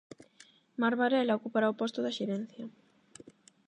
Mar Varela ocupará o posto da xerencia.